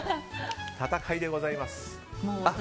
戦いでございます。